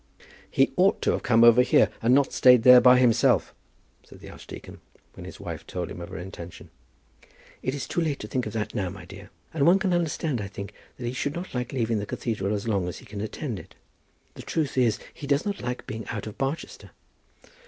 "He ought to have come over here, and not stayed there by himself," said the archdeacon, when his wife told him of her intention. "It is too late to think of that now, my dear; and one can understand, I think, that he should not like leaving the cathedral as long as he can attend it. The truth is he does not like being out of Barchester."